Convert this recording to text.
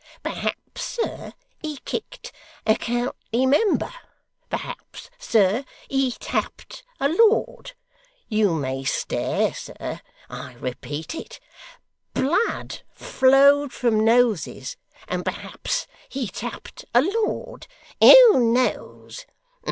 Perhaps, sir, he kicked a county member, perhaps, sir, he tapped a lord you may stare, sir, I repeat it blood flowed from noses, and perhaps he tapped a lord. Who knows?